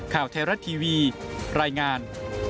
ข่าวไทยรัฐทีวีรายงาน